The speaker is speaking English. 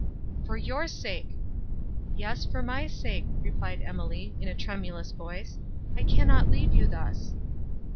"For your sake!" "Yes, for my sake," replied Emily, in a tremulous voice, "I cannot leave you thus!"